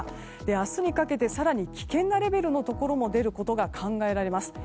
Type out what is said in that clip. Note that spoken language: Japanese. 明日にかけて更に危険なレベルのところも出ることが考えられます。